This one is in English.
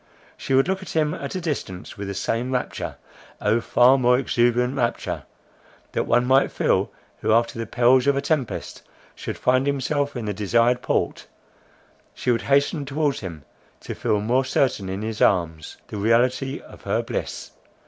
She would look at him at a distance with the same rapture, (O, far more exuberant rapture!) that one might feel, who after the perils of a tempest, should find himself in the desired port; she would hasten towards him, to feel more certain in his arms, the reality of her bliss.